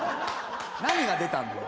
何が出たんだよ。